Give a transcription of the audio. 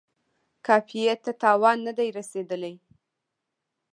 قافیې ته تاوان نه دی رسیدلی.